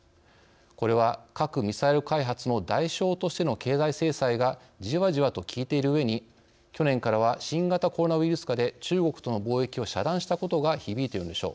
これは核・ミサイル開発の代償としての経済制裁がじわじわと効いているうえに去年からは新型コロナウイルス禍で中国との貿易を遮断したことが響いているのでしょう。